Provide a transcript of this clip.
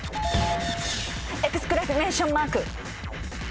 エクスクラメンションマーク。